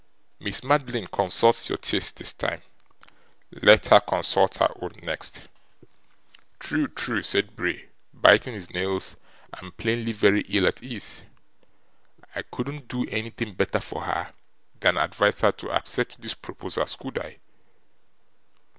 Miss Madeline consults your tastes this time; let her consult her own next.' 'True, true,' said Bray, biting his nails, and plainly very ill at ease. 'I couldn't do anything better for her than advise her to accept these proposals, could I?